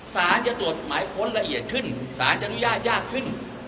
สารจะตรวจหมายค้นละเอียดขึ้นสารจะอนุญาตยากขึ้น